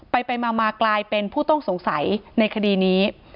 ไปมากลายเป็นผู้ต้องสงสัยในคดีนี้